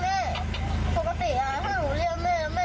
แต่จนเนี้ยแม่ไม่ยอมตื่นเลยค่ะ